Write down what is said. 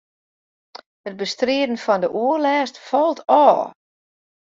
It bestriden fan de oerlêst falt ôf.